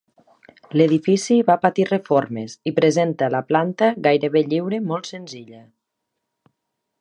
L'edifici va patir reformes i presenta la planta gairebé lliure molt senzilla.